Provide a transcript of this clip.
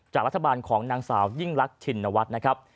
จากรัฐบาลของนางสาวยิ่งรักชินวัฒน์นะครับ